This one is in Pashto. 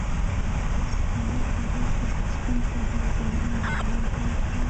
هغه هغې ته د سپین سهار ګلان ډالۍ هم کړل.